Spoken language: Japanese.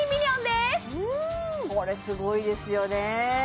これすごいですよね